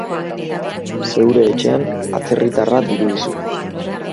Zeure etxean atzerritarra dirudizu.